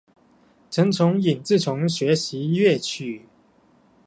曾从尹自重学习粤曲。